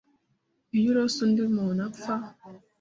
Iyo urose undi muntu apfa